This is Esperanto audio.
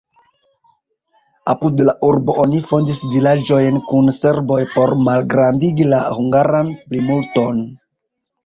Apud la urbo oni fondis vilaĝojn kun serboj por malgrandigi la hungaran plimulton.